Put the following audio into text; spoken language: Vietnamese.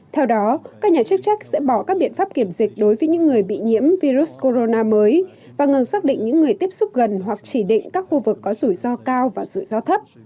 theo đó các nhà chức trách sẽ bỏ các biện pháp kiểm dịch đối với những người bị nhiễm virus corona mới và ngừng xác định những người tiếp xúc gần hoặc chỉ định các khu vực có rủi ro cao và rủi ro thấp